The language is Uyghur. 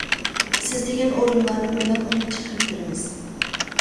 سىز دېگەن ئورۇنلاردىن ئېلان ئورنى چىقىرىپ بېرىمىز!